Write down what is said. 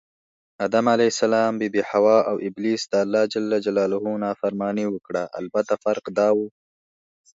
آدم ع، بي بي حوا اوابلیس دالله ج نافرماني وکړه البته فرق دا و